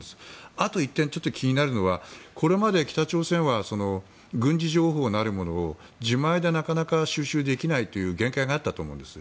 あと、１点気になるのはこれまで北朝鮮は軍事情報なるものを自前でなかなか収集できないという限界があったと思うんです。